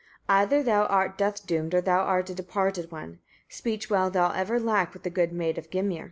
Either thou art death doomed, or thou art a departed one. Speech wilt thou ever lack with the good maid of Gymir.